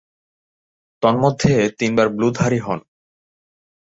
তন্মধ্যে তিনবার ব্লুধারী হন।